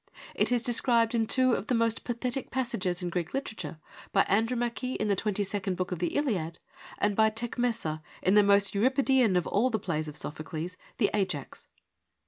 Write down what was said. It is de scribed in two of the most pathetic passages in Greek literature, by Andromache in the twenty second book of the Iliad and by Tecmessa, in the most Euripidean of all the plays of Sophocles, the THE FOUR FEMINIST PLAYS 129 Ajax.